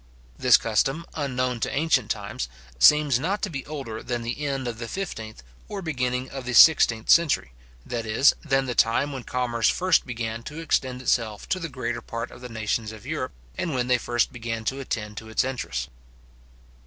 This custom, unknown to ancient times, seems not to be older than the end of the fifteenth, or beginning of the sixteenth century; that is, than the time when commerce first began to extend itself to the greater part of the nations of Europe, and when they first began to attend to its interests.